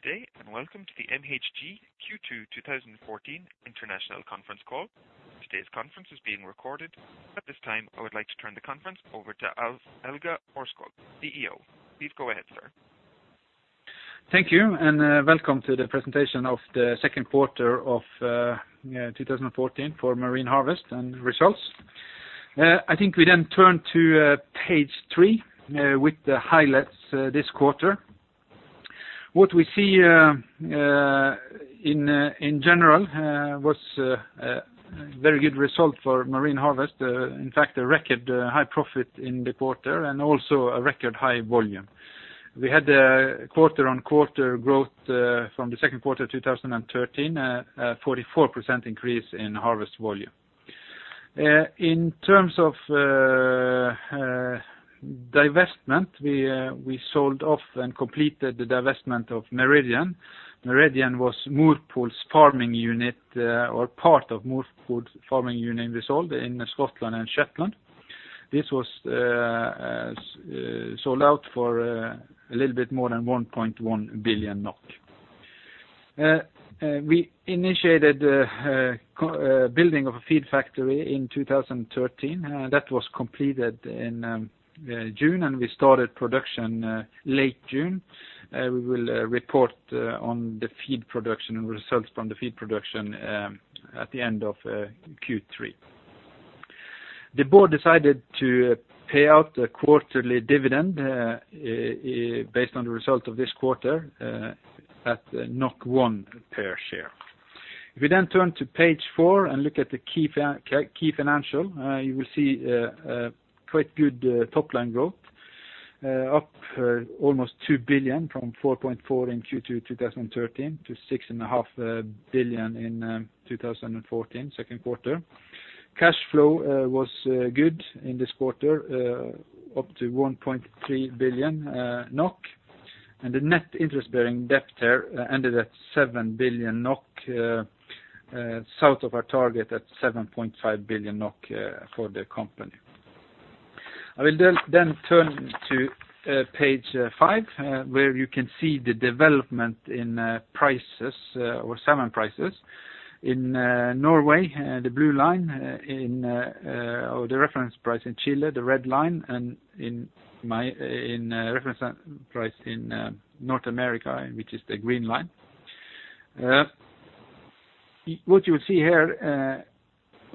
Good day, and welcome to the MHG Q2 2014 international conference call. Today's conference is being recorded. At this time, I would like to turn the conference over to Alf-Helge Aarskog, CEO. Please go ahead, sir. Thank you, and welcome to the presentation of the second quarter of 2014 for Marine Harvest and results. I think we turn to page three with the highlights this quarter. What we see in general was a very good result for Marine Harvest. In fact, a record high profit in the quarter and also a record high volume. We had a quarter-on-quarter growth from the second quarter of 2013, a 44% increase in harvest volume. In terms of divestment, we sold off and completed the divestment of Meridian. Meridian was Morpol's farming unit or part of Morpol's farming unit we sold in Scotland and Shetland. This was sold out for a little bit more than 1.1 billion NOK. We initiated the building of a feed factory in 2013. That was completed in June. We started production late June. We will report on the feed production results from the feed production at the end of Q3. The board decided to pay out a quarterly dividend based on the result of this quarter at 1 per share. If we turn to page four and look at the key financial, you will see a quite good top-line growth, up almost 2 billion from 4.4 billion in Q2 2013 to 6.5 billion in 2014, second quarter. Cash flow was good in this quarter, up to 1.3 billion NOK, the net interest-bearing debt there ended at 7 billion NOK, south of our target at 7.5 billion NOK for the company. I will turn to page five where you can see the development in prices or salmon prices in Norway, the blue line, or the reference price in Chile, the red line, and in reference price in North America, which is the green line. What you see here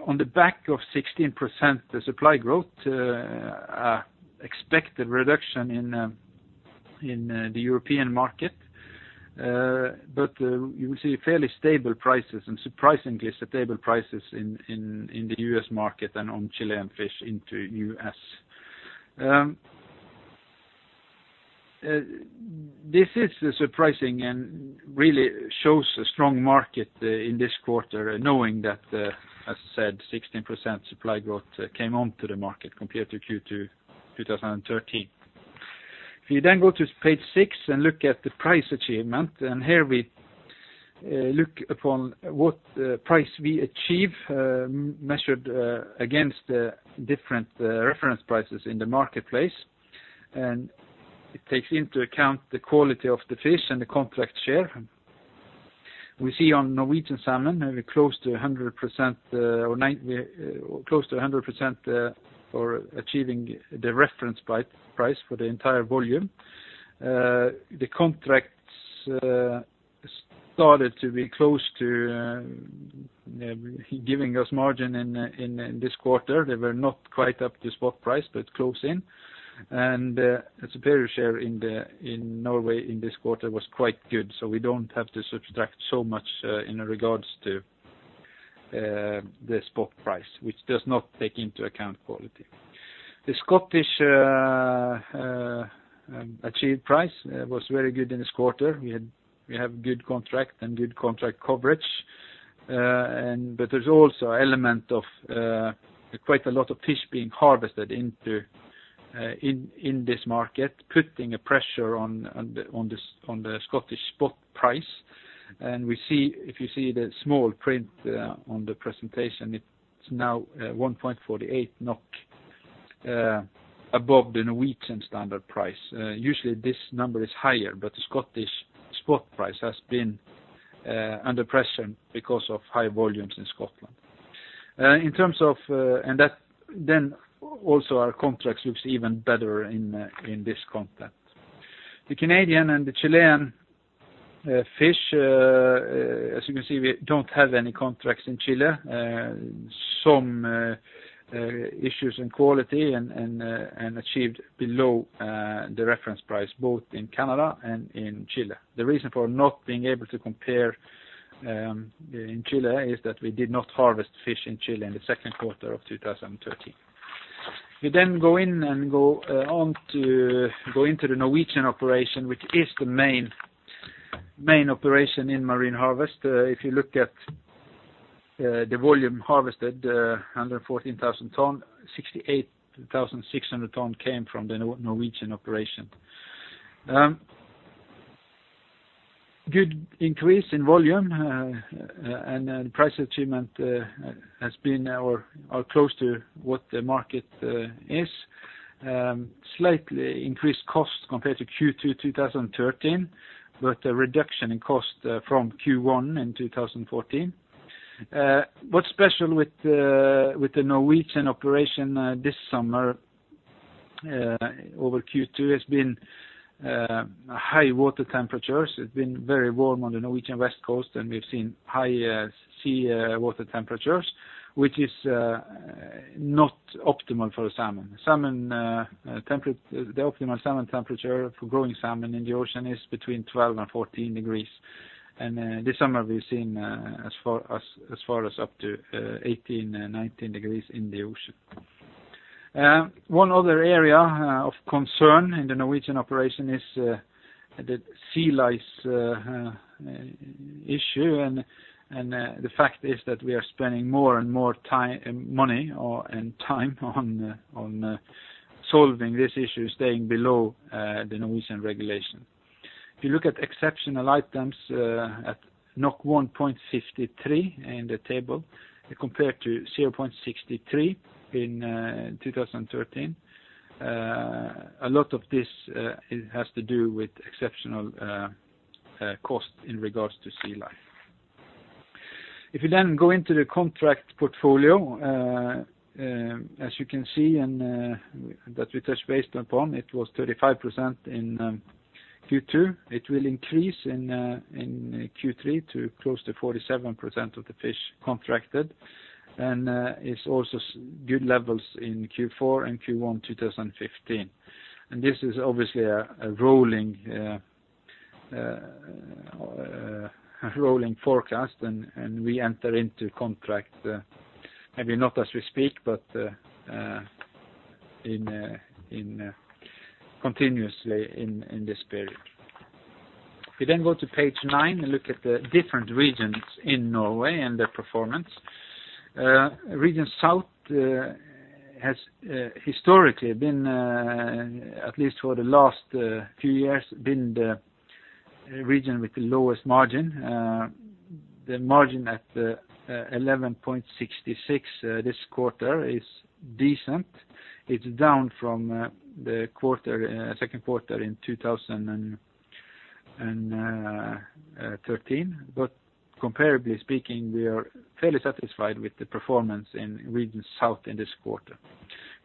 on the back of 16% the supply growth, expected reduction in the European market. You see fairly stable prices and surprisingly stable prices in the U.S. market and on Chilean fish into the U.S.. This is surprising and really shows a strong market in this quarter, knowing that, as I said, 16% supply growth came onto the market compared to Q2 2013. If we go to page six and look at the price achievement, here we look upon what price we achieve, measured against the different reference prices in the marketplace. It takes into account the quality of the fish and the contract share. We see on Norwegian salmon, close to 100% for achieving the reference price for the entire volume. The contracts started to be close to giving us margin in this quarter. They were not quite up to spot price, but close in, and the superior share in Norway in this quarter was quite good. We don't have to subtract so much in regards to the spot price, which does not take into account quality. The Scottish achieved price was very good in this quarter. We have good contract and good contract coverage. There's also element of quite a lot of fish being harvested in this market, putting a pressure on the Scottish spot price. If you see the small print on the presentation, it's now 1.48 NOK above the Norwegian standard price. Usually, this number is higher, the Scottish spot price has been under pressure because of high volumes in Scotland. Our contract looks even better in this content. The Canadian and the Chilean fish, as you can see, we don't have any contracts in Chile. Some issues in quality and achieved below the reference price both in Canada and in Chile. The reason for not being able to compare in Chile is that we did not harvest fish in Chile in the second quarter of 2013. We go into the Norwegian operation, which is the main operation in Marine Harvest. If you look at the volume harvested, 114,000 tons, 68,600 tons came from the Norwegian operation. Good increase in volume and price achievement has been close to what the market is. Slightly increased costs compared to Q2 2013, but a reduction in cost from Q1 in 2014. What's special with the Norwegian operation this summer over Q2 has been high water temperatures. It's been very warm on the Norwegian west coast, and we've seen high sea water temperatures, which is not optimal for salmon. The optimal salmon temperature for growing salmon in the ocean is between 12 and 14 degrees. This summer we've seen as far as up to 18 and 19 degrees in the ocean. One other area of concern in the Norwegian operation is the sea lice issue, and the fact is that we are spending more and more money and time on solving this issue, staying below the Norwegian regulation. If you look at exceptional items at 1.63 in the table compared to 0.63 in 2013, a lot of this has to do with exceptional costs in regards to sea lice. If you go into the contract portfolio, as you can see that we touched base upon it was 35% in Q2. It will increase in Q3 to close to 47% of the fish contracted, it's also good levels in Q4 and Q1 2015. This is obviously a rolling forecast, we enter into contract, maybe not as we speak, but continuously in this period. If you go to page nine and look at the different regions in Norway and their performance. Region South has historically been, at least for the last few years, been the region with the lowest margin. The margin at 11.66% this quarter is decent. It's down from the second quarter in 2013. Comparatively speaking, we are fairly satisfied with the performance in Region South in this quarter.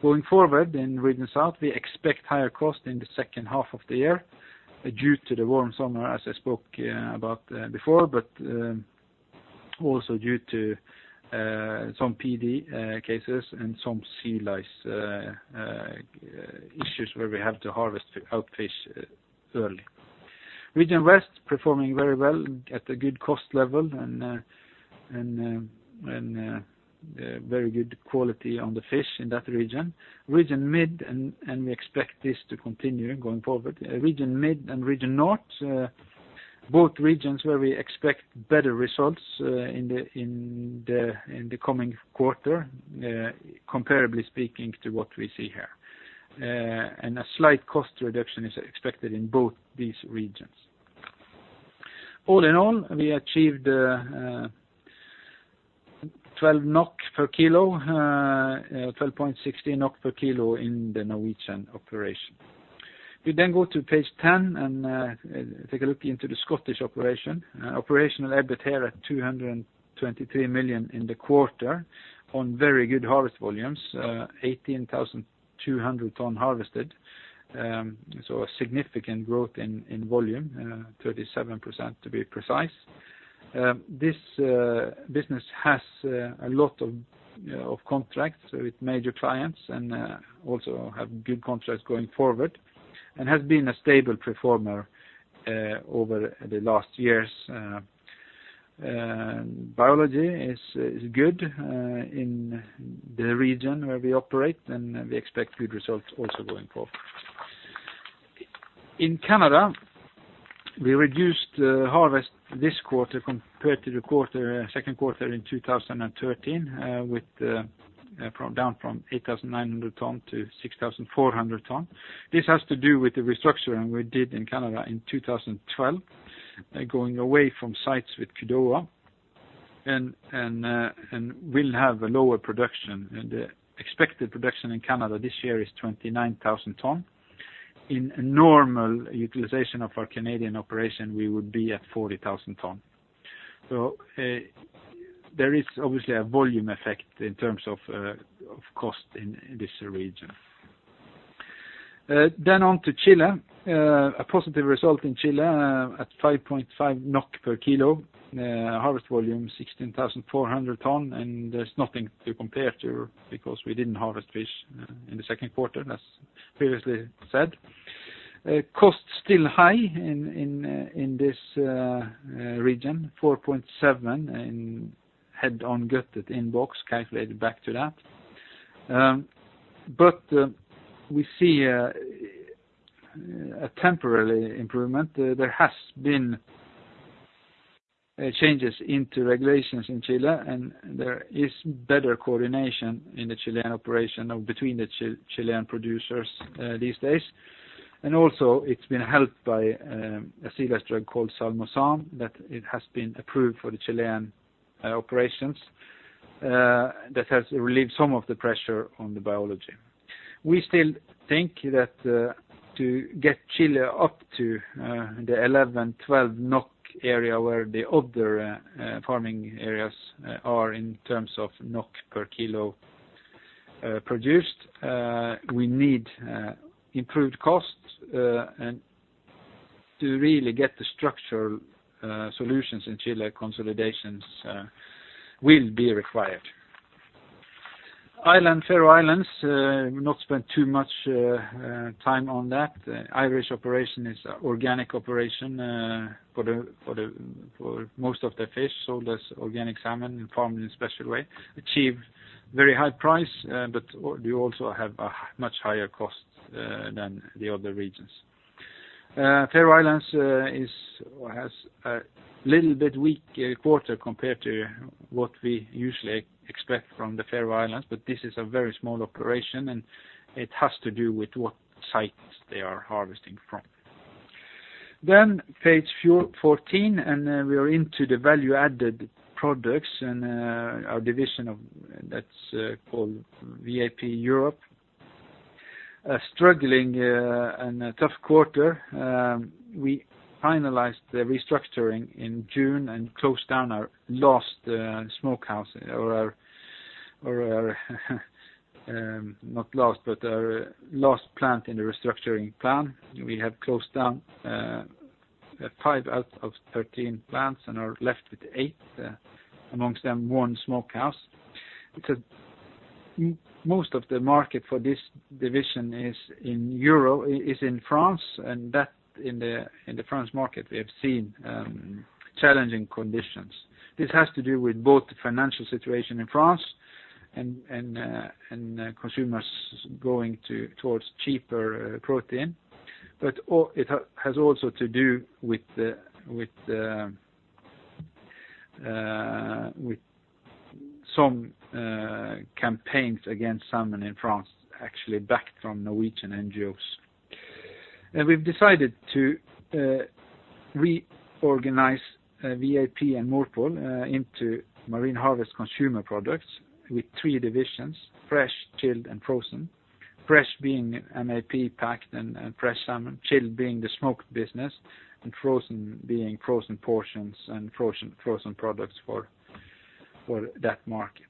Going forward in Region South, we expect higher costs in the second half of the year due to the warm summer, as I spoke about before, but also due to some PD cases and some sea lice issues where we have to harvest out fish early. Region West is performing very well at a good cost level and very good quality on the fish in that region. We expect this to continue going forward. Region Mid and Region North, both regions where we expect better results in the coming quarter, comparably speaking to what we see here. A slight cost reduction is expected in both these regions. All in all, we achieved 12.16 NOK per kilo in the Norwegian operation. If you then go to page 10 and take a look into the Scottish operation. Operational EBIT here at 223 million in the quarter on very good harvest volumes, 18,200 tons harvested. A significant growth in volume, 37% to be precise. This business has a lot of contracts with major clients and also have good contracts going forward and has been a stable performer over the last years. Biology is good in the region where we operate, and we expect good results also going forward. In Canada, we reduced the harvest this quarter compared to the second quarter in 2013, down from 8,900 tons-6,400 tons. This has to do with the restructuring we did in Canada in 2012, going away from sites with Kudoa and will have a lower production. The expected production in Canada this year is 29,000 tons. In normal utilization of our Canadian operation, we would be at 40,000 tons. There is obviously a volume effect in terms of cost in this region. On to Chile. A positive result in Chile at 5.5 NOK per kilo. Harvest volume 16,400 tons. There's nothing to compare to because we didn't harvest fish in the second quarter, as previously said. Cost is still high in this region, 4.7 in head-on gutted in box calculated back to that. We see a temporary improvement. There has been changes into regulations in Chile. There is better coordination in the Chilean operation between the Chilean producers these days. Also it's been helped by a sea lice drug called Salmosan that has been approved for the Chilean operations that has relieved some of the pressure on the biology. We still think that to get Chile up to the 11, 12 NOK area where the other farming areas are in terms of NOK per kilo produced, we need improved costs. To really get the structural solutions in Chile, consolidations will be required. Ireland, Faroe Islands, not spend too much time on that. The Irish operation is an organic operation for most of the fish. That's organic salmon farmed in a special way. Achieved a very high price. They also have a much higher cost than the other regions. Faroe Islands has a little bit weak quarter compared to what we usually expect from the Faroe Islands. This is a very small operation. It has to do with what sites they are harvesting from. Page 14. We are into the Value-Added Products and our division of that's called VAP Europe. Struggling in a tough quarter. We finalized the restructuring in June and closed down our last smokehouse, or our not last, but our last plant in the restructuring plan. We have closed down five out of 13 plants and are left with eight, amongst them one smokehouse. Most of the market for this division is in France. In the France market, we have seen challenging conditions. This has to do with both the financial situation in France and consumers going towards cheaper protein. It has also to do with some campaigns against salmon in France, actually backed from Norwegian NGOs. We've decided to reorganize VAP and Morpol into Marine Harvest Consumer Products with three divisions, fresh, chilled, and frozen. Fresh being MAP packed and fresh salmon, chilled being the smoked business, and frozen being frozen portions and frozen products for that market.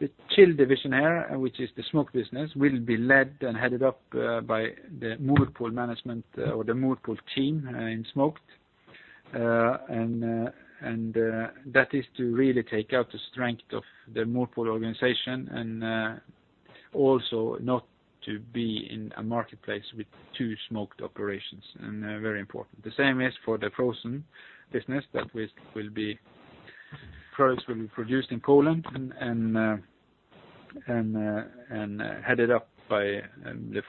The chilled division here, which is the smoke business, will be led and headed up by the Morpol management or the Morpol team in smoked. That is to really take out the strength of the Morpol organization and also not to be in a marketplace with two smoked operations, very important. The same is for the frozen business that will be first produced in Poland and headed up by the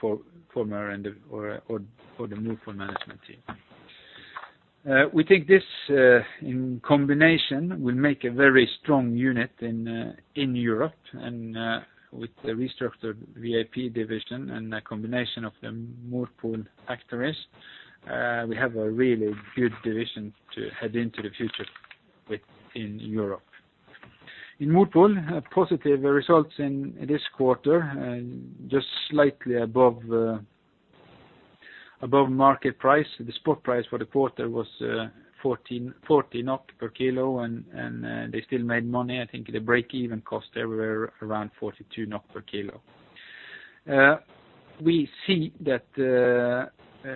former or the Morpol management team. We think this in combination will make a very strong unit in Europe and with the restructured VAP division and the combination of the Morpol factories, we have a really good division to head into the future with in Europe. In Morpol, positive results in this quarter and just slightly above market price. The spot price for the quarter was 40 NOK per kilo, and they still made money. I think the break-even cost there were around 42 NOK per kilo. We see that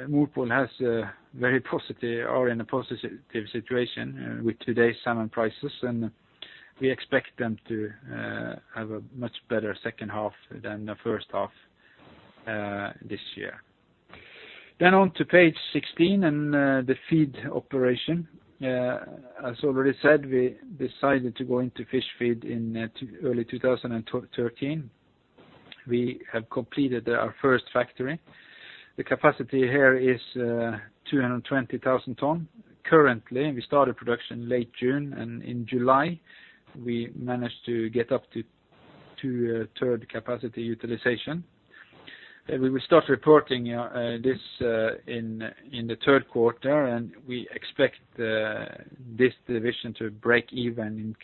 Morpol has a very positive or in a positive situation with today's salmon prices, and we expect them to have a much better second half than the first half this year. On to page 16 and the feed operation. As already said, we decided to go into fish feed in early 2013. We have completed our first factory. The capacity here is 220,000 tons. Currently, we started production late June, and in July, we managed to get up to third capacity utilization. We will start reporting this in the third quarter, and we expect this division to break even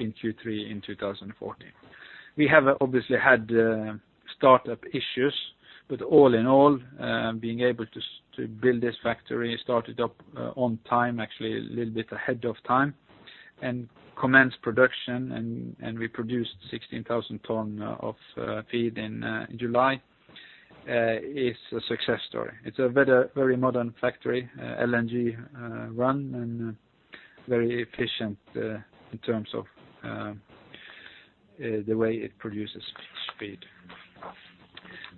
in Q3 in 2014. We have obviously had startup issues, but all in all, being able to build this factory, start it up on time, actually a little bit ahead of time, and commence production, and we produced 16,000 ton of feed in July, is a success story. It's a very modern factory, LNG run, and very efficient in terms of the way it produces fish feed.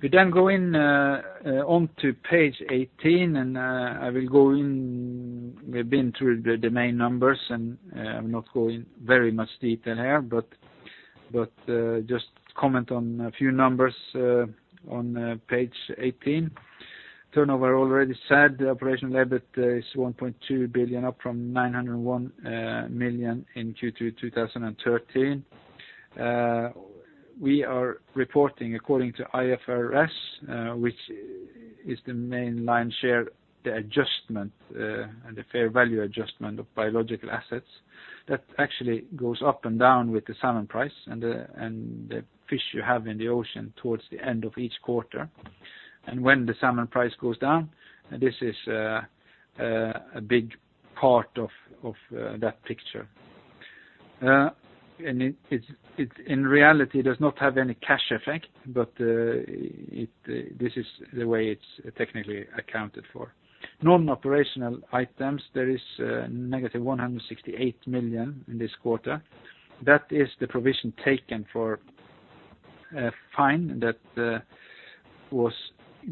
We go in onto page 18. We've been through the main numbers, and I'm not going very much deeper here, but just comment on a few numbers on page 18. Turnover already said the operating profit is 1.2 billion up from 901 million in Q2 2013. We are reporting according to IFRS, which is the main lion's share, the adjustment and the fair value adjustment of biological assets that actually goes up and down with the salmon price and the fish you have in the ocean towards the end of each quarter. When the salmon price goes down, this is a big part of that picture. It, in reality, does not have any cash effect, but this is the way it's technically accounted for. Non-operational items, there is a negative 168 million in this quarter. That is the provision taken for a fine that was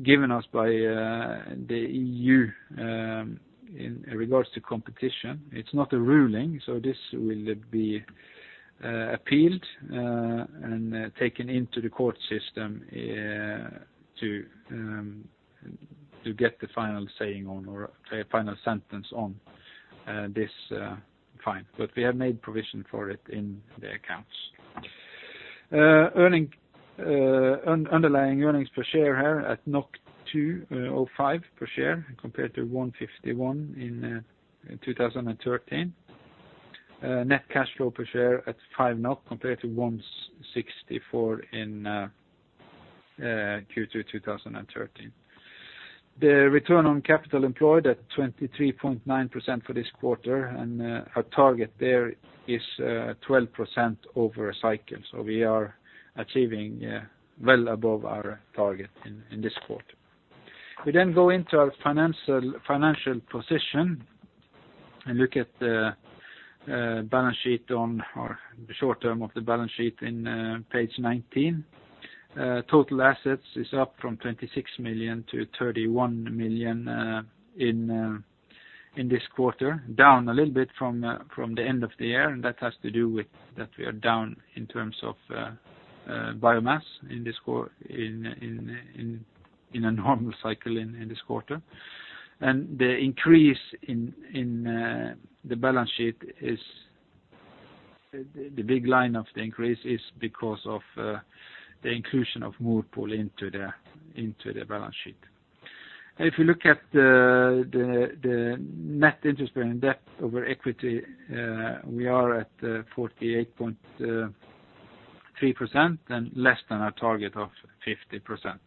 given us by the EU in regards to competition. It's not a ruling, this will be appealed and taken into the court system to get the final saying or final sentence on this fine. We have made provision for it in the accounts. Underlying earnings per share here at 2.05 per share compared to 151 in 2013. Net cash flow per share at 5 compared to 164 in Q2 2013. The return on capital employed at 23.9% for this quarter, and our target there is 12% over a cycle. We are achieving well above our target in this quarter. We go into our financial position and look at the balance sheet on our short-term of the balance sheet on page 19. Total assets are up from 26 million to 31 million in this quarter. Down a little bit from the end of the year, and that has to do with that we are down in terms of biomass in a normal cycle in this quarter. The increase in the balance sheet, the big line of the increase is because of the inclusion of Morpol into the balance sheet. If you look at the net interest-bearing debt over equity, we are at 48.3% and less than our target of 50%.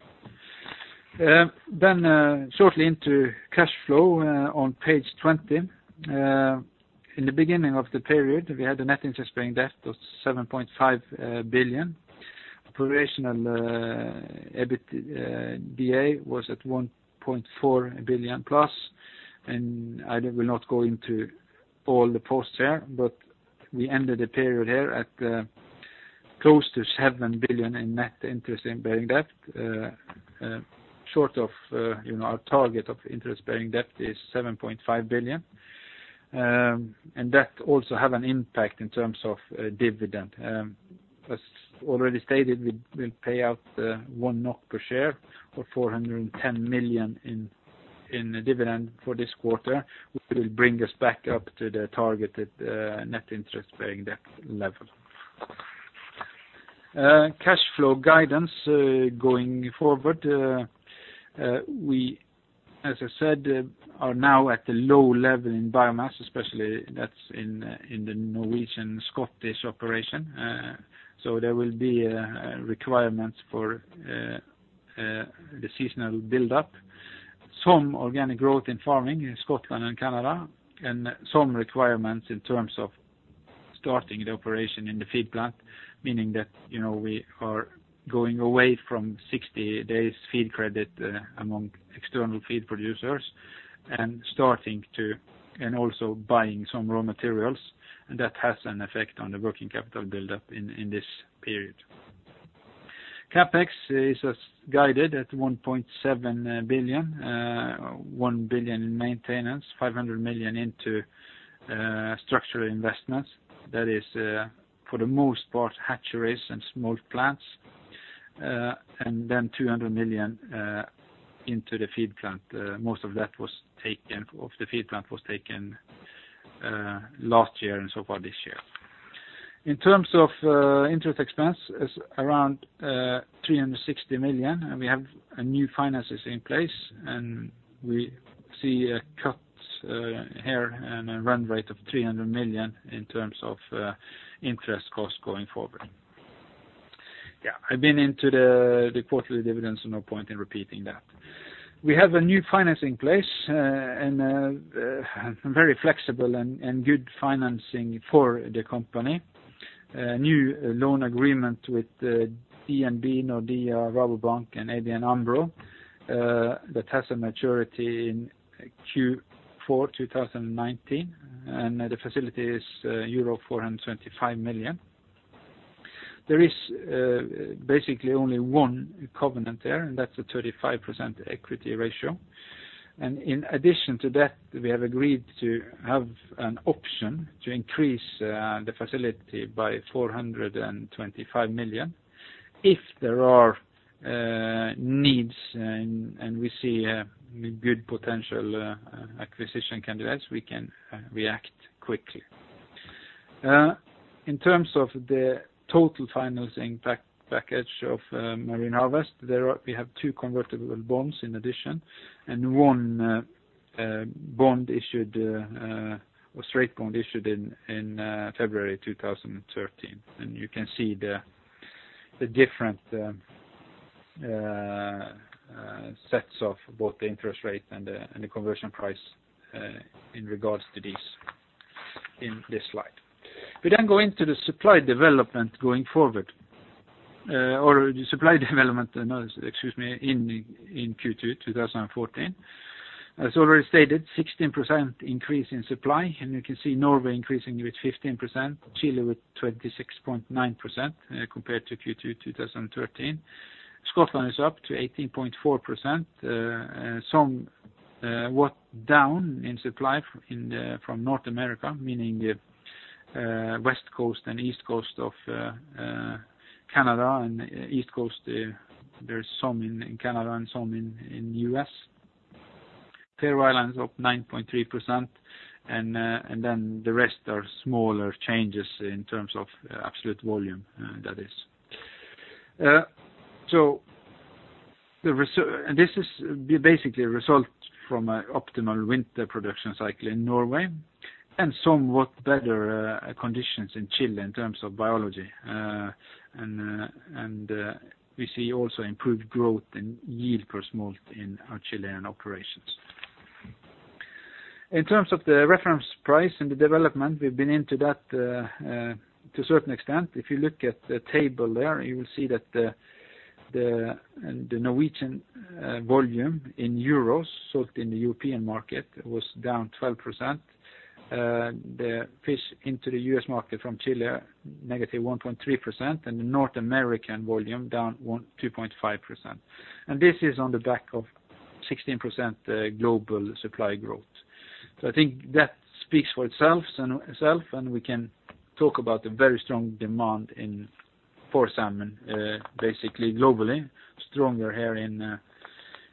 Shortly into cash flow on page 20. In the beginning of the period, we had a net interest-bearing debt of 7.5 billion. Provisional EBITDA was at 1.4+ billion, and I will not go into all the posts here, but we ended the period here at close to 7 billion in net interest-bearing debt, short of our target of interest-bearing debt is 7.5 billion. That also have an impact in terms of dividend. As already stated, we will pay out 1 NOK per share or 410 million in dividend for this quarter, which will bring us back up to the targeted net interest-bearing debt level. Cash flow guidance going forward. We, as I said, are now at a low level in biomass, especially that's in the Norwegian-Scottish operation. There will be requirements for the seasonal buildup. Some organic growth in farming in Scotland and Canada, and some requirements in terms of starting the operation in the feed plant, meaning that we are going away from 60 days' feed credit among external feed producers and also buying some raw materials, and that has an effect on the working capital buildup in this period. CapEx is guided at 1.7 billion, 1 billion in maintenance, 500 million into structural investments. That is for the most part hatcheries and smolt plants, then 200 million into the feed plant. Most of the feed plant was taken last year and so far this year. In terms of interest expense is around 360 million, we have new finances in place, we see a cut here and a run rate of 300 million in terms of interest cost going forward. I've been into the quarterly dividends, no point in repeating that. We have a new finance in place and very flexible and good financing for the company. A new loan agreement with DNB, Nordea, Rabobank, and ABN AMRO that has a maturity in Q4 2019, the facility is euro 425 million. There is basically only one covenant there, that's a 35% equity ratio. In addition to that, we have agreed to have an option to increase the facility by 425 million if there are needs and we see good potential acquisition candidates, we can react quickly. In terms of the total financing package of Marine Harvest, we have two convertible bonds in addition, and one straight bond issued in February 2013. You can see the different sets of both the interest rate and the conversion price in regards to these in this slide. We go into the supply development in Q2 2014. As already stated, 16% increase in supply, and you can see Norway increasing with 15%, Chile with 26.9% compared to Q2 2013. Scotland is up to 18.4%, somewhat down in supply from North America, meaning the West Coast and East Coast of Canada and East Coast, there's some in Canada and some in U.S.. Faroe Islands up 9.3% and then the rest are smaller changes in terms of absolute volume. This is basically a result from an optimal winter production cycle in Norway and somewhat better conditions in Chile in terms of biology. We see also improved growth in yield per smolt in our Chilean operations. In terms of the reference price and the development, we've been into that to a certain extent. If you look at the table there, you will see that the Norwegian volume in euros sold in the European market was down 12%. The fish into the U.S. market from Chile, -1.3%, and the North American volume down 2.5%. This is on the back of 16% global supply growth. I think that speaks for itself, and we can talk about the very strong demand for salmon, basically globally, stronger here in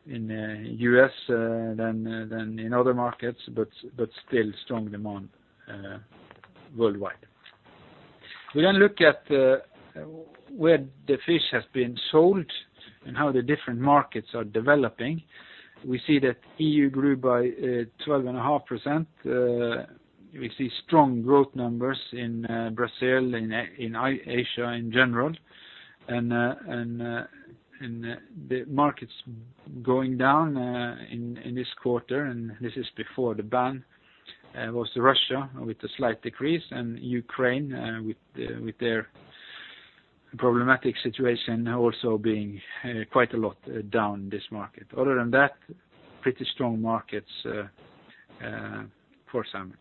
U.S. than in other markets, but still strong demand worldwide. We look at where the fish has been sold and how the different markets are developing. We see that EU grew by 12.5%. We see strong growth numbers in Brazil and in Asia in general, and the markets going down in this quarter, and this is before the ban was Russia with a slight decrease and Ukraine with their problematic situation now also being quite a lot down this market. Other than that, pretty strong markets for salmon.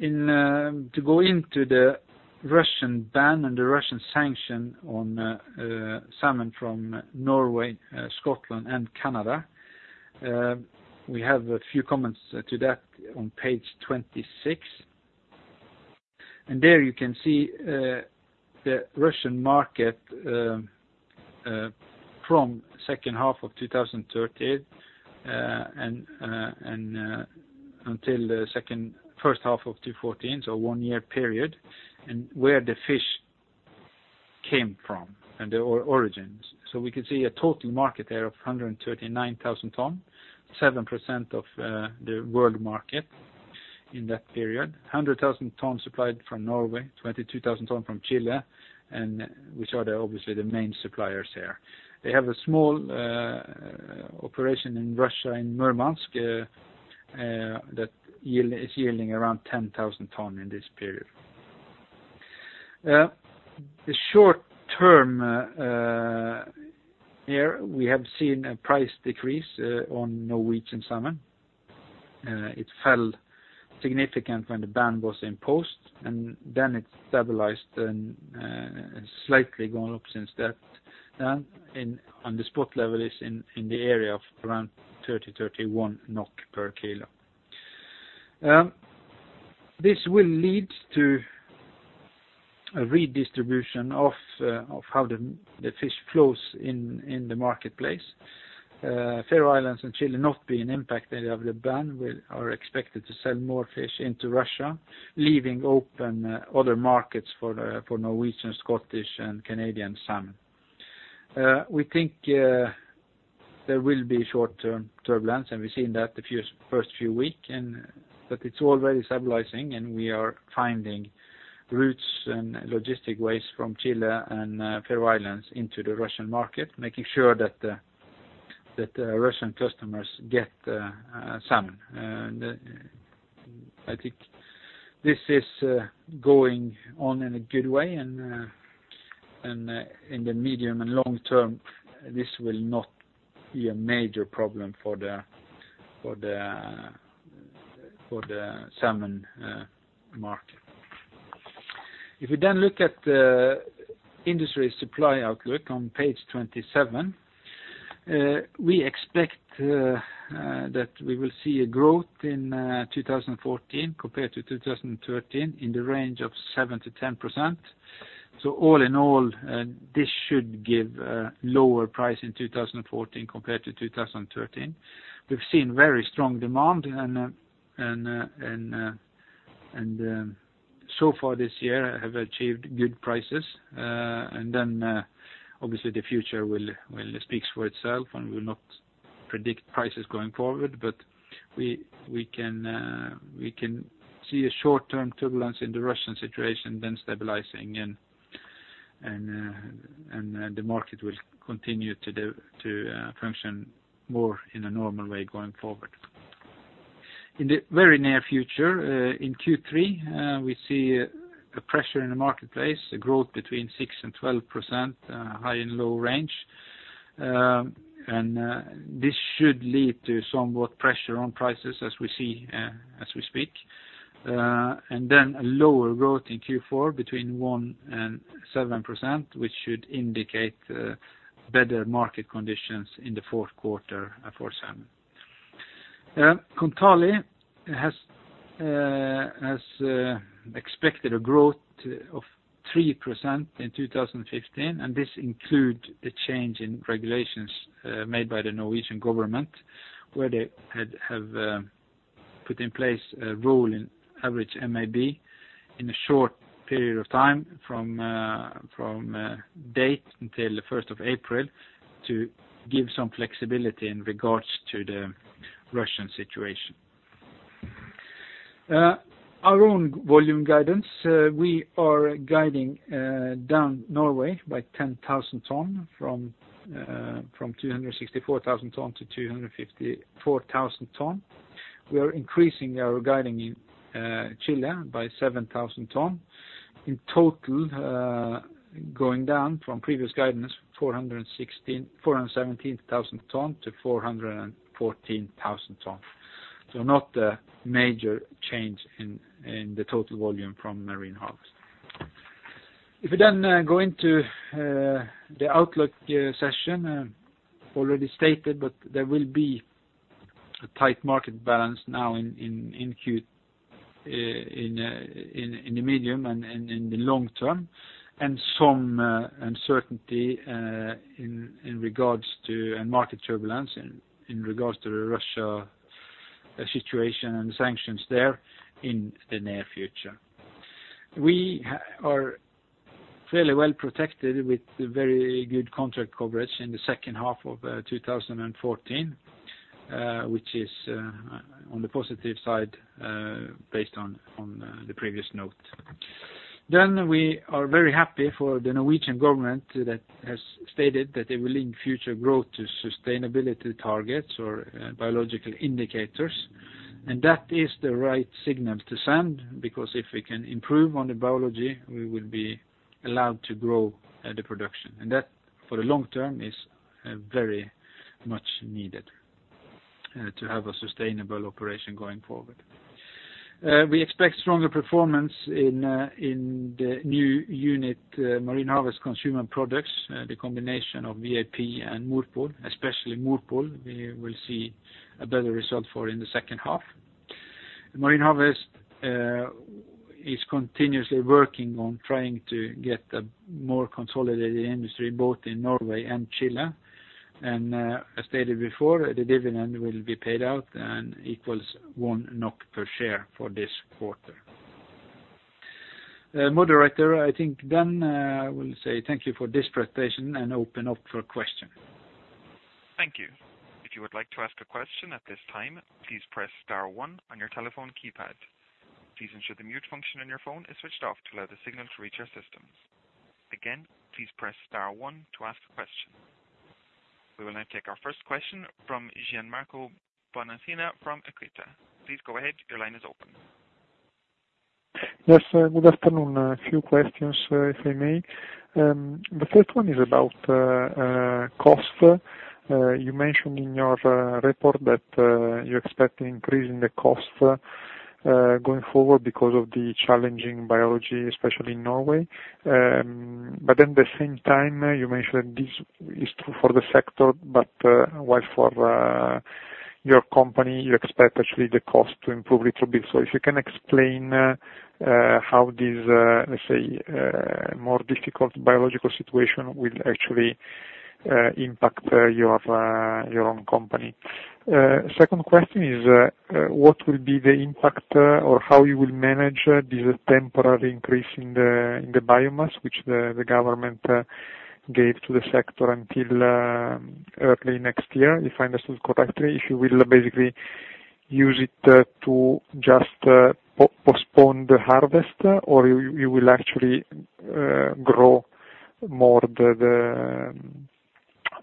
To go into the Russian ban and the Russian sanction on salmon from Norway, Scotland and Canada, we have a few comments to that on page 26. There you can see the Russian market from second half of 2013 until the first half of 2014, so one-year period and where the fish came from and their origins. We can see a total market there of 139,000 tons, 7% of the world market in that period, 100,000 tons supplied from Norway, 22,000 tons from Chile, which are obviously the main suppliers here. They have a small operation in Russia, in Murmansk, that is yielding around 10,000 tons in this period. The short term here, we have seen a price decrease on Norwegian salmon. It fell significant when the ban was imposed, and then it stabilized and slightly gone up since that. The spot level is in the area of around 30-31 NOK per kilo. This will lead to a redistribution of how the fish flows in the marketplace. Faroe Islands and Chile not being impacted of the ban are expected to sell more fish into Russia, leaving open other markets for Norwegian, Scottish and Canadian salmon. We think there will be short-term turbulence, and we've seen that the first few weeks, but it's already stabilizing and we are finding routes and logistic ways from Chile and Faroe Islands into the Russian market, making sure that the Russian customers get salmon. I think this is going on in a good way and in the medium and long term, this will not be a major problem for the salmon market. If you then look at the industry supply outlook on page 27. We expect that we will see a growth in 2014 compared to 2013 in the range of 7%-10%. All in all, this should give a lower price in 2014 compared to 2013. We've seen very strong demand and so far this year have achieved good prices. Obviously the future will speak for itself, and we will not predict prices going forward, but we can see a short-term turbulence in the Russian situation then stabilizing, and the market will continue to function more in a normal way going forward. In the very near future, in Q3, we see a pressure in the marketplace, a growth between 6% and 12%, a high and low range. This should lead to somewhat pressure on prices as we speak. A lower growth in Q4 between 1% and 7%, which should indicate better market conditions in the fourth quarter for salmon. Kontali has expected a growth of 3% in 2015. This includes the change in regulations made by the Norwegian government, where they have put in place a rule in average MAB in a short period of time from date until the 1st of April to give some flexibility in regards to the Russian situation. Our own volume guidance, we are guiding down Norway by 10,000 ton from 264,000 ton-254,000 ton. We are increasing our guiding in Chile by 7,000 ton, in total going down from previous guidance 417,000 ton-414,000 ton. Not a major change in the total volume from Marine Harvest. If we then go into the outlook session, already stated, there will be a tight market balance now in the medium and in the long term, and some uncertainty in regards to market turbulence in regards to the Russia situation and sanctions there in the near future. We are fairly well-protected with very good contract coverage in the second half of 2014, which is on the positive side based on the previous note. We are very happy for the Norwegian government that has stated that they will link future growth to sustainability targets or biological indicators. That is the right signal to send because if we can improve on the biology, we will be allowed to grow the production. That, for the long term, is very much needed to have a sustainable operation going forward. We expect stronger performance in the new unit, Marine Harvest Consumer Products, the combination of VAP and Morpol, especially Morpol, we will see a better result for in the second half. Marine Harvest is continuously working on trying to get a more consolidated industry both in Norway and Chile. As stated before, the dividend will be paid out and equals 1 NOK per share for this quarter. Moderator, I think then I will say thank you for this presentation and open up for questions. Thank you. If you would like to ask a question at this time, please press star one on your telephone keypad. Please ensure the mute function on your phone is switched off to allow the signal to reach our systems. Again, please press star one to ask a question. We're going to take our first question from Gianmarco Bonacina from EQUITA. Please go ahead. Your line is open. Yes, good afternoon. A few questions, if I may. The first one is about cost. You mentioned in your report that you expect an increase in the cost going forward because of the challenging biology, especially in Norway. At the same time, you mentioned this is true for the sector, but while for your company, you expect actually the cost to improve a little bit. If you can explain how this, let's say, more difficult biological situation will actually impact your own company. Second question is what will be the impact or how you will manage this temporary increase in the biomass, which the government gave to the sector until early next year, if I understood correctly. If you will basically use it to just postpone the harvest, or you will actually grow more the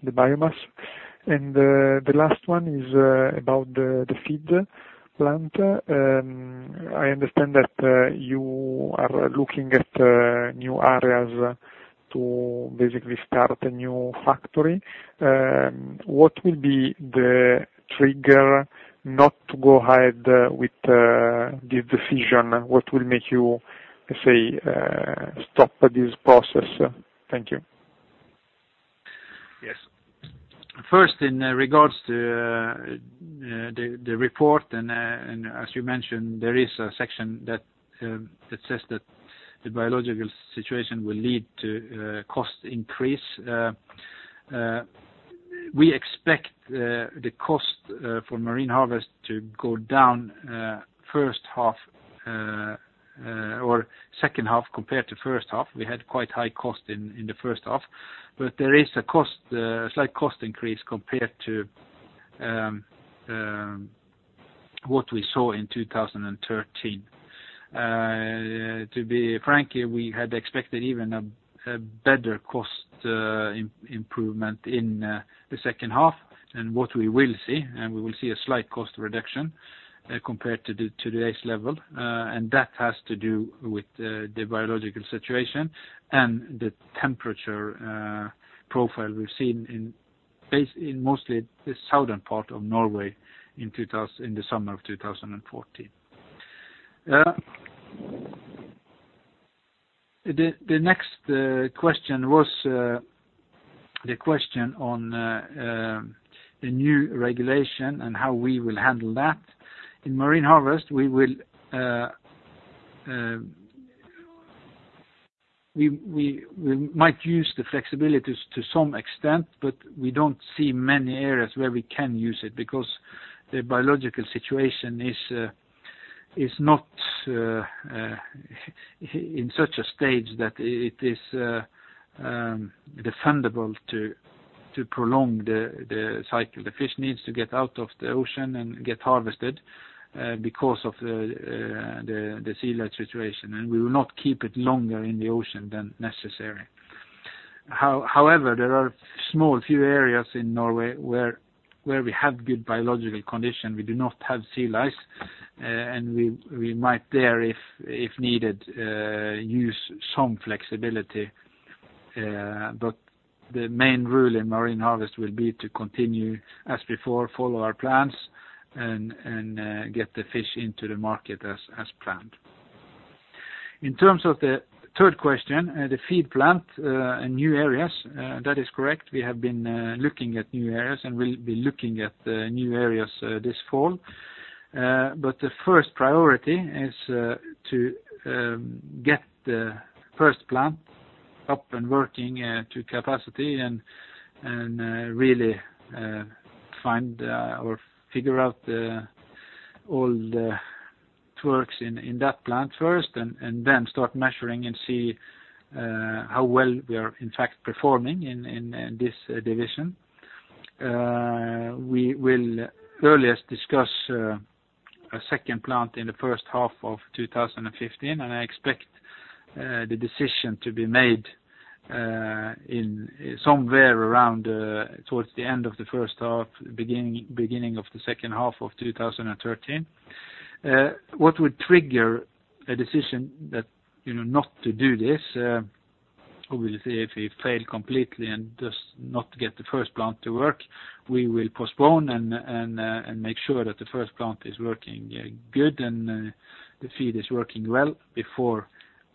biomass. The last one is about the feed plant. I understand that you are looking at new areas to basically start a new factory. What will be the trigger not to go ahead with the decision? What will make you, let's say, stop this process? Thank you. In regards to the report, as you mentioned, there is a section that says that the biological situation will lead to cost increase. We expect the cost for Marine Harvest to go down second half compared to first half. We had quite high cost in the first half. There is a slight cost increase compared to what we saw in 2013. To be frank, we had expected even a better cost improvement in the second half. We will see a slight cost reduction compared to today's level, and that has to do with the biological situation and the temperature profile we've seen in mostly the southern part of Norway in the summer of 2014. The next question was the question on the new regulation and how we will handle that. In Marine Harvest, we might use the flexibilities to some extent, but we don't see many areas where we can use it because the biological situation is not in such a stage that it is defendable to prolong the cycle. The fish needs to get out of the ocean and get harvested because of the sea lice situation, and we will not keep it longer in the ocean than necessary. However, there are small few areas in Norway where we have good biological condition. We do not have sea lice, and we might there, if needed, use some flexibility. The main rule in Marine Harvest will be to continue as before, follow our plans, and get the fish into the market as planned. In terms of the third question, the feed plant in new areas. That is correct. We have been looking at new areas, and we'll be looking at new areas this fall. The first priority is to get the first plant up and working to capacity and really find or figure out all the quirks in that plant first and then start measuring and see how well we are in fact performing in this division. We will earliest discuss a second plant in the first half of 2015, and I expect the decision to be made somewhere around towards the end of the first half, beginning of the second half of 2013. What would trigger a decision not to do this, obviously, if we fail completely and just not get the first plant to work, we will postpone and make sure that the first plant is working good and the feed is working well before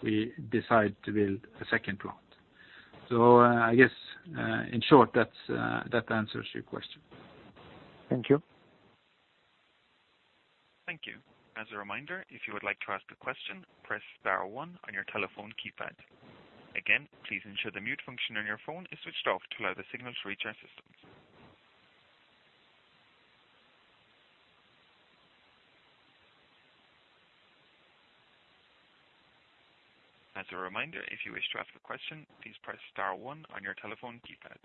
we decide to build a second plant. I guess, in short, that answers your question. Thank you. Thank you. As a reminder, if you would like to ask a question, press star one on your telephone keypad. Again, please ensure the mute function on your phone is switched off to allow the signals to reach our system. As a reminder, if you wish to ask a question, please press star one on your telephone keypad.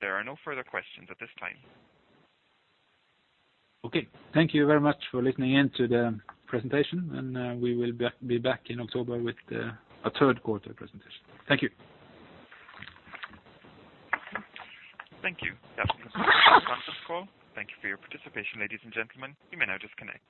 There are no further questions at this time. Okay. Thank you very much for listening in to the presentation, and we will be back in October with a third quarter presentation. Thank you. Thank you. That concludes today's conference call. Thank you for your participation, ladies and gentlemen. You may now disconnect.